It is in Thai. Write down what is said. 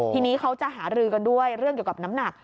ทีนี้เขาจะหารือกันด้วยเรื่องเกี่ยวกับน้ำหนัก